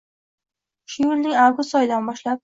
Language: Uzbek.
Shu yilning avgust oyidan boshlab